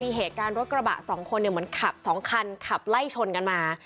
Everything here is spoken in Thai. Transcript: มีเหตุการณ์รถกระบะสองคนเนี่ยเหมือนขับสองคันขับไล่ชนกันมา